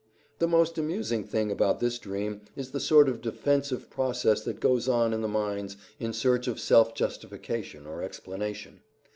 The most amusing thing about this dream is the sort of defensive process that goes on in the mind in search of self justification or explanation.